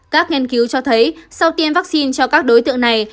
các nghiên cứu cho thấy sau tiêm vaccine cho các đối tượng này